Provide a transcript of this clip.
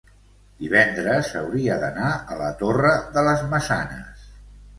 Divendres hauria d'anar a la Torre de les Maçanes.